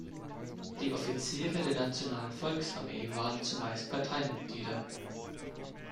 Die Offiziere der Nationalen Volksarmee waren zumeist Parteimitglieder.